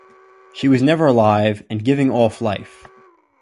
She was never alive, and giving off life.